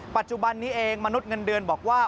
ปัจจุบันนี้เองมนุษย์เงินเดือนบอกว่า